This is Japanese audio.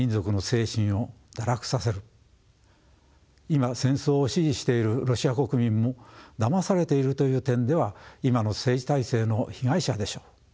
今戦争を支持しているロシア国民もだまされているという点では今の政治体制の被害者でしょう。